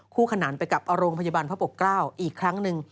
ขนานไปกับโรงพยาบาลพระปกเกล้าอีกครั้งหนึ่ง